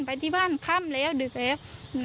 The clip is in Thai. ไปที่บ้านค่ำแล้วดึกแล้ว